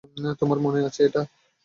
তোমার মনে আছে এটা?